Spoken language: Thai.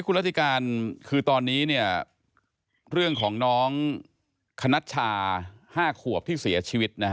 คุณรัติการคือตอนนี้เนี่ยเรื่องของน้องคณัชชา๕ขวบที่เสียชีวิตนะฮะ